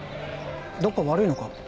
どっか悪いのか？